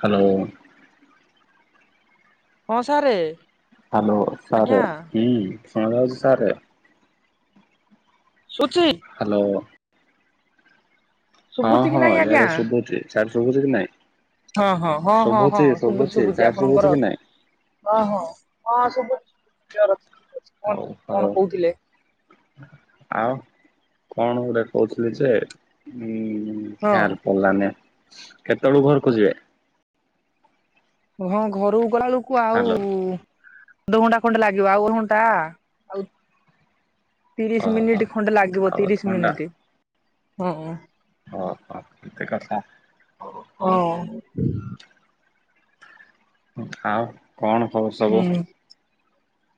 Hello. ହଁ ସାରେ। Hello ଆଜ୍ଞା ସାର୍ ହୁଁ ଶଣାଉଛି ସାରେ? ଶୁଚି ହ୍ୟାଲୋ। ହଁ ଶୁଭୁଛି କି ହଁ ନାଇଁ ଆଜ୍ଞା? ୟାଡେ ସୁଭୁଛି ସାଡେ ଶୁଭୁଚି କି ନାଇଁ। ହଁ ହଁ ହଁ ହଁ ହଁ ଶୁଭୁଛି ଶୁଭୁଛି ଶୁଭୁଛି ସିଆଡେ ଆପଣଙ୍କର କି ନାଇଁ ଓ ହୋ ହ ସ ଅ କଣ ହଉ ହଉ କଣ କହୁଥିଲେ। ଆଉ କଣ ଗୋଟେ କହୁଥିଲି ଯେ ହଁ ଖ୍ୟାଲ ପଡିଲାନି। କେତେବେଳକୁ ଘର କୁ ଯିବେ? ହଁ ଘରୁକୁ ଗଲା ବେଳକୁ ଆଉ ହ୍ୟାଲୋ। ଅଧ ଘଣ୍ଟା ଖଣ୍ଡେ ଲାଗିବ ଅଧ ଘଣ୍ଟା ଆଉ ତିରିଶ ଓହୋ ମିନିଟ ଖଣ୍ଡେ ଲାଗିବ ଆଉ ତିରିଶ ମିନିଟ୍ ହଁ। ହ ହୋ ଏତେ କଥା ଓ ହ। ହୁଁ। ଆଉ କଣ ଖବର ସବୁ?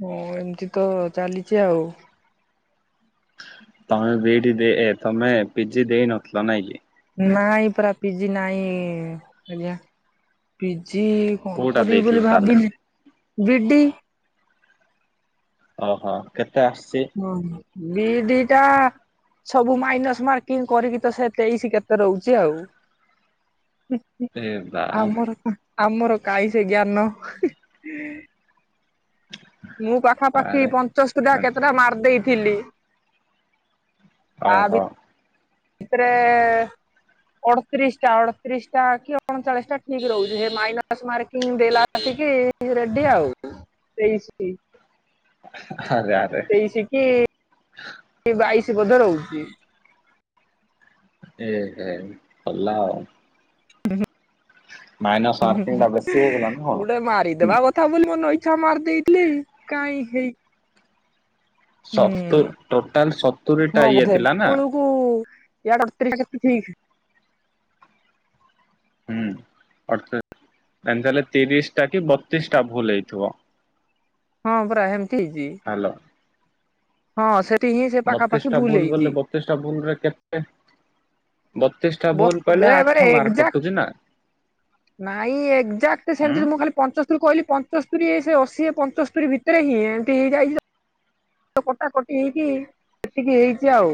ହଁ ଏମିତି ତ ଚାଲିଛି ଆଉ। ତମେ ବିଡ ତମେ ପିଜି ଦେଇ ନଥିଲ ନାଇଁ କି। ନାଇଁ ପରା ପିଜି ନାଇଁ ଆଜ୍ଞା। ଯ କଣ କୋଉଟା କରିବି ଦେଇଥିଲ ବୋଲି ତାହେଲେ ଭାବିନି ବିଡି ଓହୋ କେତେ ଆସଛି। ବିଡି ଟା ସବୁ ମାଇନସ ମାର୍କିଂ କରିକି ତ ସେ ତେଇଶ କେତେ ରହୁଛି ଆଉ। [inaudible] ଏ ବା ଆମର ଆମର କାହିଁ ସେ ଜ୍ଞାନ। ମୁଁ ପାଖାପାଖି ଆରେ ପଞ୍ଚଶ ଟା ଆରେ କେତେଟା ମାରି ଦେଇେଇଥିଲି। ଓ ହୋ। ଏପରେ ଅଠତିରିଶ ଟା ଅଠତିରିଶ ଟା କି ଅଣଚାଳିଶ ଟା ଠିକ ରହୁଛି ସେ ମାଇସ ମାର୍କିଂ ଦେଲା କିଏ ରେଡି ଆଉ ତେଇଶି କି ହ [inaudible] ତେଇଶି କି ବାଇଶି ବୋଧେ ରହୁଛି। ଏ ହେ ଗଲା ଆଉ। ଉହୁଁ। ମାଇନସ୍ ଉହୁଁ ୱାର୍କିଂ ଟା ବେଶୀ ହେଇଗଲା ନା କଣ? ଗୋଟେ ମାରିଦବା କଥା ବୋଲି ମନ ଇଛା ମାରି ଦେଇଥିଲେ କାଇଁ ହେଇ ସତୁରି ଟୋଟାଲ ସତୁରିଟା ହୁଁ ହଁ ଇଏ ବଧେ ଥିଲା ନା ବେଳକୁ ଇଆଡ଼ ସ୍ତ୍ରୀ ସାଥେ ପ୍ରୀତି ହୁଁ ଅର୍ଥେ ତ ନା ତାହେଲେ ତିରିଶ ଟା କି ବତିଶ ଟା ଭୁଲ ହେଇଥିବ। ହଁ ପୁରା ହେମିତି ହେଇଛି। ହାଲୋ। ହଁ ସେ ହିଁ ପାଖାପାଖି ବତିଶ ଟା ଭୁଲ ହେଇଛି। ବୋଲି ବତିଶଟା ଭୁଲରେ କେତେ ବତିଶ ଟା ଭୁଲ ବତି କହିଲେ ବେଳେ ଆଠ ବେଳେ ମାର୍କ କଟୁଛି ଏଜାକ୍ଟ ନା ନାଇଁ ଏକ୍ଜାକ୍ଟ ହୁଁ ସେମିତି ମୁଁ ଖାଲି ପଞ୍ଚସ୍ତରୀ କହିଲି ପଞ୍ଚସ୍ତରୀ ସେ ଅସି ସିଏ ପଞ୍ଚସ୍ତରୀ ଭିତରେ ହିଁ ଏମିତି ହେଇଯାଇଛି କଟାକଟି ହେଇକି ସେତିକି ହେଇଛି ଆଉ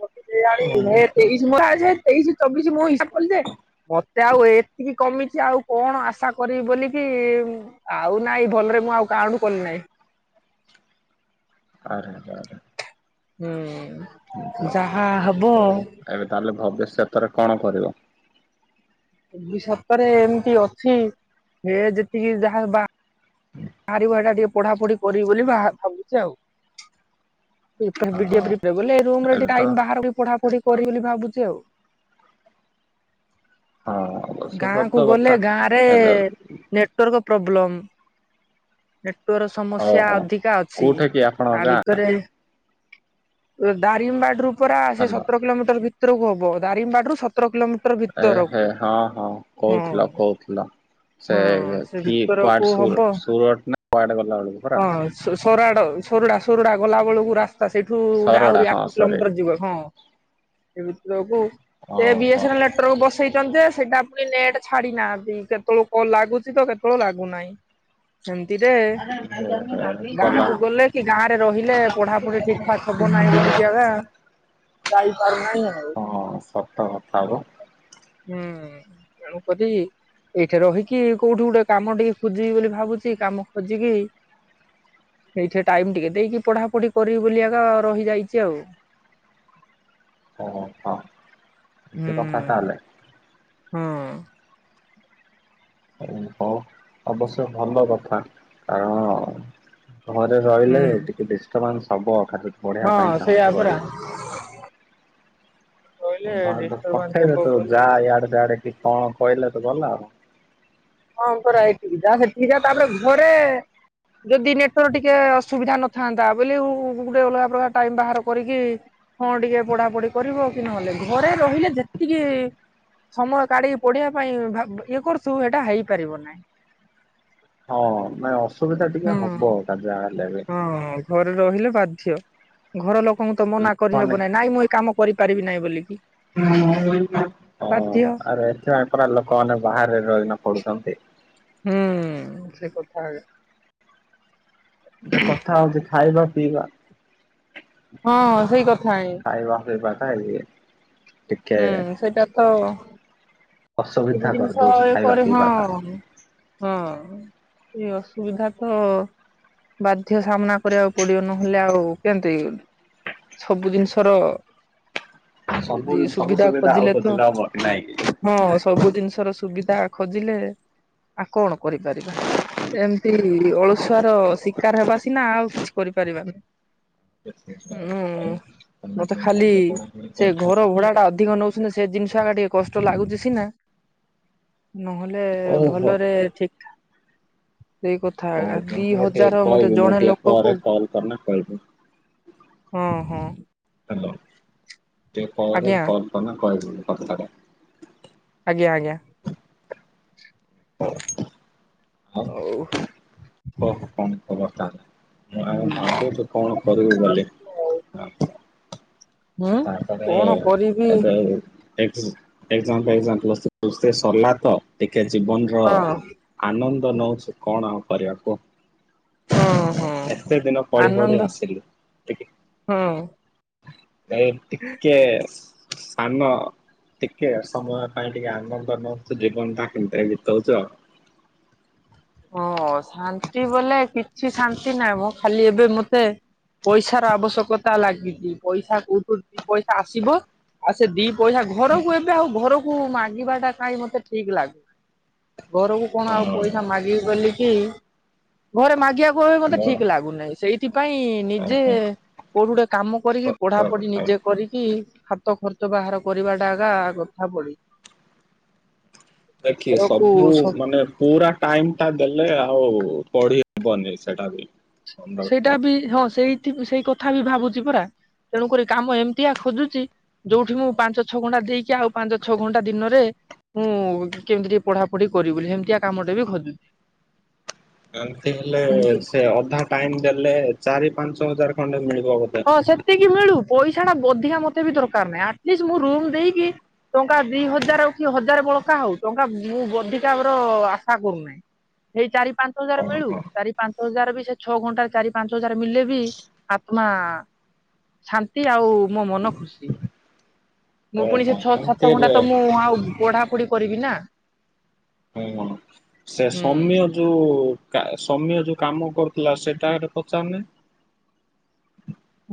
ମୁଁ ଆଜି ଜାଙ୍କେ ତଇଶ ଚବିଶ ମୋ ହିସାବ ରେ ମତେ ଆଉ ଏତିକି କମିଛି ଆଉ କଣ ଆଶା କରିବି ବୋଲିକି ଆଉ ନାଇଁ ଭଲ ମୁଁ ଆଉ କାଉଣ୍ଟ କଲି ନାହିଁ। ଆରେ ଆ। ହୁଁ [unintelligible] ଅଛା ଯାହା ହବ ଏବେ ତାହେଲେ ଭବ୍ଯ ସେଥିରେ କଣ କରିବ? ଭବିଷ୍ୟତରେ ଏମିତି ଅଛି ହେ ଯେତିକି ଯାହା ବା ବାହାରିବ ଏଇଟା ଟିକେ ପଢାପଢି କରିବି ବୋଲି ବା ଭାବୁଛି ଆଉ ହଁ [unintelligible] ରୁମ୍ ରେ ଏବେ ତ ଟାଇମ୍ ଭାରିକରି ପଢ଼ାପଢି କରି ବୋଲି ଭାବୁଛି ଆଉ। ହଁ ଅବଶ୍ୟ ଗାଁ ସତ କୁ ଗଲେ କଥା ଗାଁ ରେ ଏବେ ନେଟୱାର୍କ ପ୍ରୋବ୍ଲେମ୍। ନେଟୱାର ସମସ୍ୟା ଓହୋ ଅଧିକା ଅଛି କୋଉଠା କି ଆପଣଙ୍କ ତା ଗାଁ? ଭିତରେ ଦାରିମବାଡି ରୁ ପୁରା ସେ ହାଲୋ ସତର କିଲୋମିଟର ଭିତରକୁ ହବ ଦାରିମବାଡ ରୁ ସତ ଏହ ହଁ ହଁ ହଁ କହୁଥିଲ କହୁଥିଲ। ହଁ ସେ ସେ କି ଭିତରକୁ କୁଆଡେ ସୁର ହବ ସୁରଟ ନା କୁଆଡେ ଗଲା ବେଳକୁ ପରା ସୋରାଡ଼ ସରୁଡ଼ା ସରୁଡ଼ା ଗଲା ବେଳକୁ ରାସ୍ ରାସ୍ତା ସେଇଠୁ ଗୋଟେ ସରଡା ଆହୁରି ଆଠ ହଁ ସରି କିଲୋମିଟର ଯିବ ହଁ ଏ ଭିତକୁ ସେ ଓହୋ ବିଏସ୍ ଲେଟରୁ ବସେଇ ବସେଚନ୍ତେ ସେଇଟା ପୁଣି ନେଟ୍ ଛାଡି ନାହାନ୍ତି କେତେଲୁ କଲ ଲାଗୁଛି ତ କେତେବେଳୁ ଲାଗୁନାହିଁ। ସେମିତିରେ ଗାଁ ଗଲା। କୁ ଗଲେ କି ଗାଁ ରେ ରହିଲେ ପଢାପଢି ଠିକ ଠାକ ହବ ନାହିଁ। ବୋଲିକି ଆଗା ଯାଇପାରୁ ହଁ ସତ କଥା ଲୋ ହୁଁ ଏଣୁ କତି ଏଇଠି ରହିକି କୋଉଠି ଗୋଟେ କାମ ଟିକେ ଖୋଜିବି ବୋଲି ଭାବୁଛି କାମ ଖୋଜିକି ସେଇଠି ଟାଇମ ଟିକେ ଦେଇକି ପଢାପଢି କରିବି ବୋଲି ଏକା ରହିଯାଇଛି ଆଉ ଓହୋ ଏ କଥା ତାହେଲେ। ହୁଁ। ହଉ ଅବଶ୍ୟକ ଭଲ କଥା କାରଣ ଘରେ ହୁଁ ରହିଲେ ଟିକେ ବିଷ୍ଟବାନ୍ ହବ ଖାଲି ବଢିବା ହଁ ପାଇଁ ସେଇଆ ଚାହସ୍ ପରା ରହିଲେ। କହିଲେ ଘ ଡିଷ୍ଟର୍ବାନ୍ସ ପଠେଇବେ ହବ ତୁ ବୋଲି ଯା ଇଆଡେ ସିଆଡେ କି କଣ କହିଲେ ତ ଗଲା ଆଉ। ହଁ ପ କରା ଏଇିଠି ଯା ସେଠିକ ଯା ତାପରେ ଘରେ ଯଦି ନେଟୱର୍କ ଟିକେ ଅସୁବିଧା ନଥାନ୍ତା ବୋଲି ଗୋଟେ ଅଲଗା ପ୍ରକାର ଟାଇମ୍ ବାହାର କରିକି ହଁ ଟିକେ ପଢାପଢି କରିବ କି ନହେଲେ ଘରେ ରହିଲେ ଯେତିକି ସମୟ କାଢିକି ପଢିବା ପାଇଁ ଭାବ ଇଏ କରୁଥିବୁ ହେଇଟା ହେଇପାରିବ ନାହିଁ। ହଁ ମାନେ ଅସୁବିଧା ହୁଁ ଟିକେ ହବ ତା ଯାହା ହେଲେ ବି ହଁ ଘରେ ରହିଲେ ବାଧ୍ୟ ଘର ଲୋକଙ୍କୁ ତ ମନା ମାନେ କରିହେବ ନାଇଁ, ନାଇଁ ମୁଁ ଏଇ କାମ କରିପାରିବି ନାହିଁ ବୋଲିକି ହଁ ବାଧ୍ୟ। ଆରେ ଏଥିପାଇଁ ପୁରା ଲୋକମାନେ ବାହାରେ ରହିକିନା ପଡୁଛନ୍ତି। [unintelligible] ହୁଁ ସେ କଥାହେବେ। ଯେ କଥା ହଉଛି ଖାଇବା ପିଇବା ହଁ ସେଇ କ ଖାଇବା ପିଇବାଟା ଇଏ ଟିକେ ହୁଁ ସେଇଟା ତ ଆଉ ଯେତିକି ଅସୁବିଧା ଜିନିଷ କରିଦଉଛି ଏ ଖାଇବା ପରେ ହଁ ପିଇବାଟା। ହଁ ଏ ଅସୁବିଧା ତ ବାଧ୍ୟ ସାମ୍ନା କରିବାକୁ ପଡିବ ନହେଲେ ଆଉ କେମତି ସବୁ ଜିନିଷର ସବୁ ଜି ସବୁ ସୁବିଧା ଆଉ ଖୋଜିଲେ ହବ କି ନାଇଁ ହଁ ସବୁ ଜିନିଷର ସୁବିଧା ଖୋଜିଲେ, ଆଉ କଣ କରିପାରିବା? ଏମିତି ଅଳସୁଆର ଶିକାର ହେବା ସିନା ଆଉ କିଛି କରିପାରିବାନି। ହୁଁ ତମେ ମତେ ଟିକେ ଖାଲି ଭଲ ପଢାପଢି ସେ କରିଛ ଘର ତାହେଲେ ଭଡାଟା ଅଧିକ ନଉଛନ୍ତି ସେ ଜିନିଷ ଏକା ଟା ଟିକେ କଷ୍ ଷ୍ଟ ଲାଗୁଚ ସିନା ନହେଲେ ଓହୋ। ଭଲରେ ଠିକ୍ ଠାକ୍ ସେଇ କଥା ହଉ ଆ ଦି ମୁଁ ଟିକେ ହଜାର ମତେ କହିବି ମୁଁ ଜଣେ ଟିକେ ଲୋକକୁ ପରେ କଲ୍ କରିନା କହିବି। ହଁ ହଁ ହାଲୋ ଟିଏ ପରେ ଆଜ୍ଞା କଲ୍ କଲେ କହିଦେବି କଥାଟା ଆଜ୍ଞା ଆଜ୍ଞା। ହଉ ଆଉ କହ କଣ ଖବର ତାହଲେ? ମୁଁ ଆଉ ଭାବୁଚି କଣ କରିବୁ ବୋଲି ଆ ହୁଁ ତାପରେ କଣ କରିବି ଏବେ ଏକ୍ସ ଏକ୍ସାମ ଫେଖଜାମ୍ ପ୍ଲସ ଥ୍ରୀ ସରିଲା ତ ଟି କେ ଜୀବନର ହଁ ଆନନ୍ଦ ନଉଛି କଣ ଆଉ କରିବା ହଁ ହଁ କୁଅ ଏତେ ଦିନ ପଢି ପଢି ଆନନ୍ଦ ଆସିଲି ଟିକେ ହଁ ନାଇ ଟିକେ ସାନ ଟିକେ ସମୟ ପାଇଁ ଟିକେ ଆନନ୍ଦ ନଉଚୁ ଜୀବନ ଟା [unintelligible] ବିତଉଚୁ ଆଉ। [inaudible] ହଁ ଶାନ୍ତି ବୋଲେ କିଛି ଶାନ୍ତି ନାହିଁ ମଁ ଖାଲି ଏବେ ମତେ ପଇସାର ଆବଶ୍ୟକତା ଲାଗିଛି ପଇସା କୋଉଠୁ ଦି ପଇସା ଆସିବ ଆଉ ସେ ଦି ପଇସା ଘରକୁ ଏବେ ଆଉ ଘରକୁ ମାଗିବାଟା କାହିଁ ମତେ ଠିକ ଲାଗୁନି ଘରକୁ କଣ ଆଉ ପଇସା ହଁ ମାଗିବି ବୋଲିକି ଘରେ ମାଗିଆକୁ [unintelligible] ମତେ ମୋର ଠିକ ଲାଗୁନାହିଁ ସେଇଥିପାଇଁ ନିଜେ ଓହୋ କୋଉଠି ଗୋଟେ କାମ କରିକି ସତ ପଢାପଢି କଥା। ନିଜେ କରିକି ହା ତ ଖର୍ଚ୍ଚ ବାହାର କରିବାଟା ଏକା କଥା ପଡିଛି। ଦେଖିବେ ସବୁ ମାନେ ପୁରା ଟାଇମଟା ଦେଲେ ଆଉ ପଢି ହବନି ସେଟା ବି ମନେ ସେଇଟା ରଖ। ବି ହଁ ସେଇଠି ସେଇ କଥା ବି ଭାବୁଛି ପରା ତେଣୁକରି କାମ ଏମିତିଆ ଖୋଜୁଚି ଯୋଉଠି ମୁଁ ପାଞ୍ଚ ଛଅ ଘଣ୍ଟା ଦେଇକି ଆଉ ପାଞ୍ଚ ଛଅ ଘଣ୍ଟା ଦିନରେ ମୁଁ କେମିତି ଟିକେ ପଢାପଢି କରିବି ବୋଲି ସେମିତିଆ କାମଟେ ବି ଖୋଜୁଛି। ଏମତି ହେଲେ ଏମିତି ସେ ଅଧା ଟାଇମ ଦେଲେ ଚାରି ପାଞ୍ଚ ହଜାର ଖଣ୍ଡେ ମିଳି ହଁ ସେତିକି ମିଳୁ ପଇ ସା ଛାଡ ଅଧିକା ମତେ ବି ଦରକାର ନାହିଁ ଆଟଲିଷ୍ଟ ମୁଁ ରୁମ ଦେଇକି ଟଙ୍କା ଦି ହଜାର ହଉ କି ହଜାର ବଳକା ହଉ ଟଙ୍କା ମୁଁ ଅଧିକାର ଆଶା କରୁନାହିଁ। ସେଇ ଚାରି ପାଞ୍ଚ ହଜାର ମିଳୁ ଓହୋ ଚାରି ପାଞ୍ଚ ହଜାର ବି ସେ ଛଅ ଘଣ୍ଟାରେ ଚାରି ପାଞ୍ଚ ହଜାର ମିଲେ ବି ଆତ୍ମା। ଶାନ୍ତି ଆଉ ମୋ ମନ ଖୁସି ମୁଁ ପୁଣି ସେ। ଓହୋ ଛଅ ଏମିତି ସାତ ଘଣ୍ଟା ହେଲେ ତ ମୁଁ ଆଉ ପଢାପଢି କରିବିନା। ହୁଁ ସେ ସମିୟ ଯୋଉ। କା ସମୀୟ ଯୋଉ କାମ କରୁଥିଲା ସେଟାଗାରେ ପଚାରୁନି।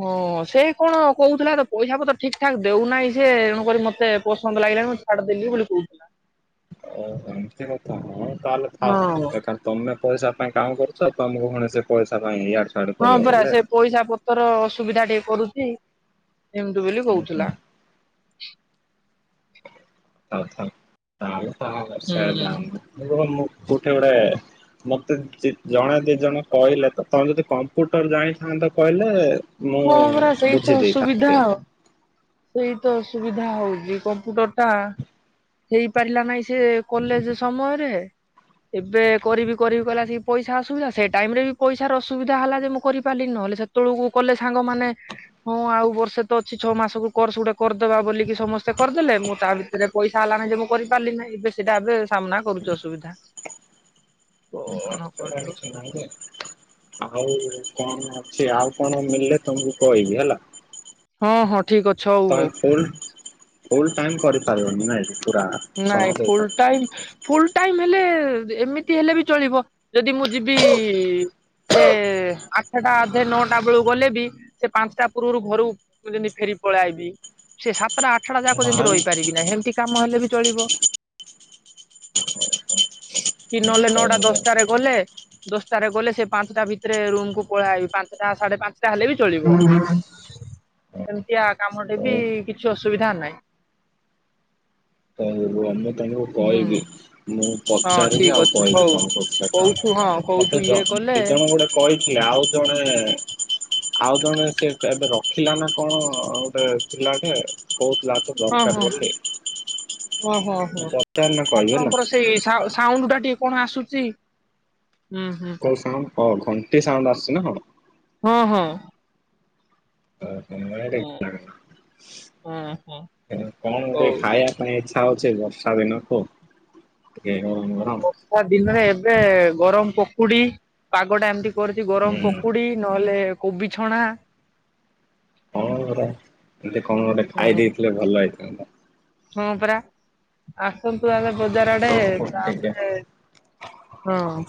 ହଁ ସେଇ କଣ କହୁଥିଲା ତ ପଇସା ପତ୍ର ଠିକ ଠାକ ଦେଉନାହିଁ ସେ ତଣୁ କରି ମତେ ପସନ୍ଦ ଲାଗି ଲାନି ମୁଁ ଛାଡ଼ି ଦେଲି ବୋଲି କହୁଥିଲା। ଓ ହୋ ଏମିତି କଥା ହଉ ତାହେଲେ ଥାଉ ହଁ। ବେକାର ତମେ ପଇସା ପାଇଁ କାମ କରୁଛ ତମକୁ ପୁଣି ସେ ପଇସା ପାଇଁ ଇଆଡେ ସିଆଡେ ହଁ କରିବ ପରା ବୋଲେ। ସେ ପଇସା ପତ୍ର ଅସୁବିଧା ଟିକେ କରୁଚି। ଏମତି ବୋଲି ହୁଁ ହୁଁ କହୁଥିଲା। ତା ହେଲେ ଥାଉ ହୁଁ। [unintelligible] ମୁଁ କୋଉଠି ଗୋଟେ ମତେ ଜି ଜଣେ ଦି ଜଣେ କହିଲେ ତ ତମେ ଯଦି କମ୍ପ୍ୟୁଟର ଜାଣିଥାନ୍ତ କହିଲେ। ମୁଁ ହଁ ପରା ସେଇ ତ ବୁଝି ଅସୁବିଧା ଦେଇଥାନ୍ତି ଆଉ। ସେଇତ ଅସୁୁବିଧା ହଉଛି କମ୍ପ୍ୟୁଟର ଟା। ହେଇ ପାରିଲା ନାହିଁ ସେ କଲେଜ ସମୟରେ। ଏବେ କରିବି କରିବି କହିଲା ସେଇ ପଇସା ଅସୁବିଧା ସେ ଟାଇମ ରେ ବି ପଇସାର ଅସୁବିଧା ହେଲା ଯେ ମୁଁ କରି ପାରିଲି ନ। ସେତେ ବେଳକୁ କଲେ ସାଙ୍ଗମାନେ। ହଁ ଆଉ ବର୍ଷେ ତ ଅଛି ଛଅ ମାସକୁ କୋରସ ଗୋଟେ କରିଦେବା ବୋଲିକି ସମସ୍ତେ କରିଦେଲେ ମୁଁ ତା ଭିତରେ ପଇସା ହେଲା ନାହିଁ ଯେ ମୁଁ କରିପାରିଲି ନାଇଁ ଏବେ ସେଇଟା ଏବେ ସାମ୍ନା କରୁଛି ଅସୁବିଧା। [unintelligible] କଣ କରିବ ଅଛି ଆଉ କଣ ମିଳିଲେ ତମକୁ କହିବି ହେଲା। ହଁ ହଁ ଠିକ ଅଛି ହଉ ତମେ ହଉ। ଫୁଲ ଫୁଲ ଟାଇମ କରି ପାରିବନି ନାଇକି ପୁରା ସମୟ ନାଇଁ ଫୁଲ ଦେଇପାରିବ ଟାଇମ ଫୁଲ ନି। ଟାଇମ ହେଲେ ଏମିତି ହେଲେ ବି ଚଳିବ ଯଦି ମୁଁ ଯିବି। ସେ ଆଠଟା ଅଧେ ନଅଟା ବେଳକୁ ଗଲେ ବି ସେ ପାଞ୍ଚଟା ପୂର୍ବରୁ ଘରୁକୁ ଯେମିତି ଫେରିବି। ପଳାଆଇବି ସେ ସାତଟା ଆଠଟା ଯାକ ଯେମିତି ରହି ପାରିବି ନା ସେମିତି କାମ ହେଲେ ବି। ଚଳିବ କି ନଏଲେ ନଅଟା ଦଶଟାରେ ଗଲେ। ଦଶଟାରେ ଗଲେ ସେ ପାଞ୍ଚଟା ଭିତରେ ରୁମକୁ ପଳେଆଇବି ପାଞ୍ଚଟା ସାଢେ ପାଞ୍ଚଟା। ଟା ହେଲେ ବି ଚଳିବ। ନାଇଁ ଏମିତିଆ କାମ ଟେ ବି କିଛି ଅସୁବିଧା ନାହିଁ। ରୁଅ ମୁଁ ତମକୁ ହୁଁ କହିବି ମୁଁ। ହଁ ପଚାରିବି ଠିକ ଆଉ ଅଛି କହିବି ହଉ ତମକୁ ସେ କୋଉଠୁ କଣ ହଁ କୋଉଠୁ ମତେ ଇଏ ଜଣ କଲେ ଦିଜଣ ଗୋଟେ କ କହିଥିଲେ ଆଉ ଜଣେ। ଆଉ ଜଣେ ସେ ଏବେ ରଖିଲା ନା କଣ ଗୋଟେ ପିଲା ଟେ। କହୁଥିଲା ତ ଦରକାର ବୋଲିି। ଓ ହୋ ହୋ ଆପଣଙ୍କର ସେଇ ସାଉଣ୍ଡ ଟା ଟିକେ କଣ ଆସୁଛି। ହୁଁ ହୁଁ। କୋଉ ସାଉଣ୍ଡ ହଁ ଘଣ୍ଟି ସାଉଣ୍ଡ ଆସୁଛି ନା କଣ। ହଁ ହଁ। ଏ। କଣ ଗୋଟେ ହଁ ହଁ ହଁ ହଉ ଖାଇବା ପାଇଁ ଆଜି। ଇଛା ହଉଛି ବର୍ଷା ଦିନକୁ ଟିକେ। ଗରମ ଗରମ ବର୍ଷା ଦିନରେ ଏବେ ଗରମ ପକୁଡି ପାଗଟା ଏମିତି। କରଚି ହୁଁ ଗରମ ପକୁଡି ନହେଲେ କୋବି ଛଣା। କଣ ଗରମ ଟିକେ କଣ ଗୋଟେ ଖାଇ ହଁ ଦେଇ ଥିଲେ ଭଲ ହେଇଥାନ୍ତା। ହଁ ପରା ଆସନ୍ତୁ ଆଗ। ବଜାର ଆଡେ ହଉ ହଉ ଟିକେ ତାପରେ ହଁ।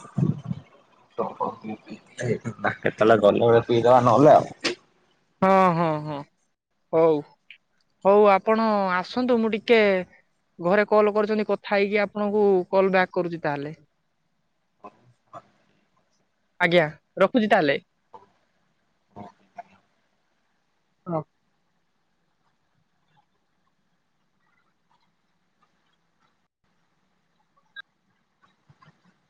କେତେଳେ ଗଲେ ବସିକି ପିଇଦବା ନହେଲେ ଆଉ। ହଁ ହଁ ହଁ ହଉ। ହଉ ଆପଣ ଆସନ୍ତୁ ମୁଁ ଟିକେ ଘରେ କଲ୍ କରିଛନ୍ତି କଥା ହେଇକି ଆପଣଙ୍କୁ କଲ ବ୍ୟାକ୍ କରୁଛି ତାହେଲେ। [inaudible] ଆଜ୍ଞା ରଖୁଛି ତାହଲେ। ହଲୋ।